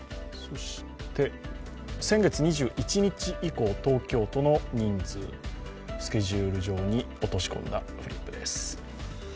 先月２１日以降、東京都の人数、スケジュール上に落とし込んだフリップです。